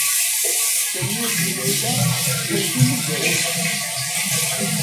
Sami akked Layla llan d-imidawen.